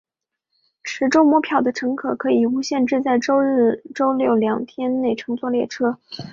持周末票的乘客可以无限制在周六日两天内乘坐列车。